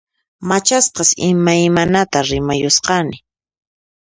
Machasqas imaymanata rimayusqani